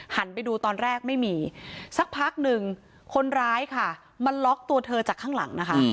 หันไปดูตอนแรกไม่มีสักพักหนึ่งคนร้ายค่ะมาล็อกตัวเธอจากข้างหลังนะคะ